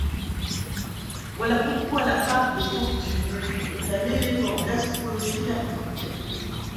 Voilà pourquoi la part de fortune est un élément d'astrologie karmique.